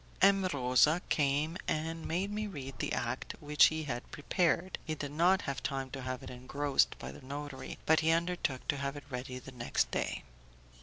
M. Rosa came and made me read the act which he had prepared; he had not had time to have it engrossed by the notary, but he undertook to have it ready the next day.